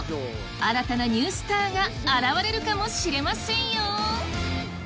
新たなニュースターが現れるかもしれませんよ！